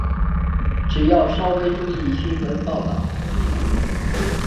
只要稍微注意新闻报导